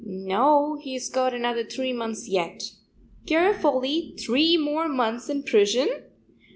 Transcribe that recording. "No, he's got another three months yet." Garofoli three more months in prison!